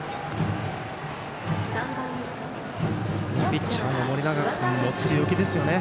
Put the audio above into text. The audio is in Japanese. ピッチャーの盛永君も強気ですよね。